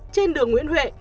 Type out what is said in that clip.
trên đường nguyễn huệ